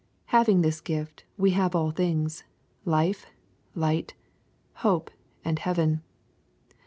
Having this gift, we have all things, life, light, hope and heaven.